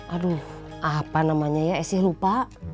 aduh apa namanya ya saya lupa